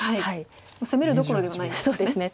攻めるどころではないですね。